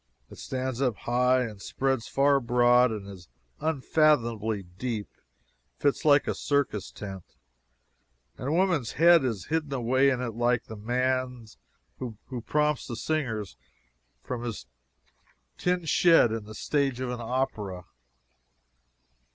It stands up high and spreads far abroad, and is unfathomably deep. It fits like a circus tent, and a woman's head is hidden away in it like the man's who prompts the singers from his tin shed in the stage of an opera.